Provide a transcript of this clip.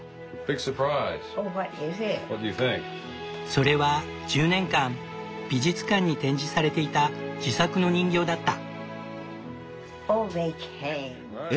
それは１０年間美術館に展示されていた自作の人形だった。